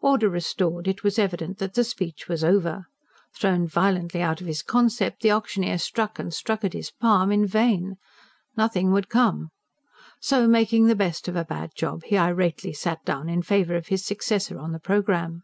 Order restored, it was evident that the speech was over. Thrown violently out of his concept, the auctioneer struck and struck at his palm in vain; nothing would come. So, making the best of a bad job, he irately sat down in favour of his successor on the programme.